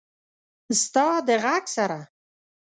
ستا د ږغ سره…